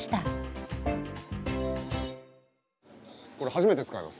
これ初めて使います。